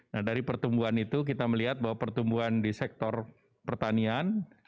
nah dari pertumbuhan itu kita melihat bahwa pertumbuhan di sektor pertanian